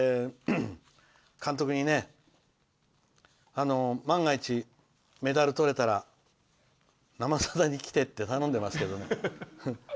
監督にね、万が一メダルとれたら「生さだ」に来てって頼んでますけどね。